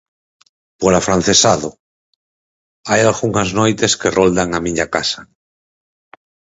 Por afrancesado! Hai algunhas noites que roldan a miña casa...